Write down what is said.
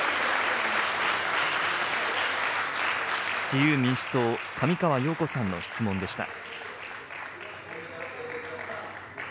自由民主党、上川陽子さんの質問でした。